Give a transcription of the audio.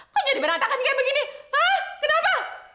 kok jadi berantakan kayak begini pak kenapa